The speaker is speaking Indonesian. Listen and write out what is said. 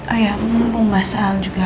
ayah mumpung masalah juga